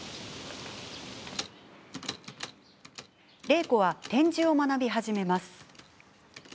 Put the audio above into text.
令子は点字を学び始めます。